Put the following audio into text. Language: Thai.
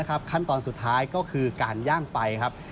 ขั้นตอนสุดท้ายก็คือการย่างไฟครับ